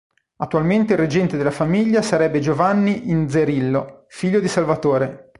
Attualmente il reggente della famiglia sarebbe Giovanni Inzerillo, figlio di Salvatore.